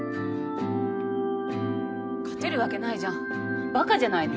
勝てるわけないじゃんばかじゃないの？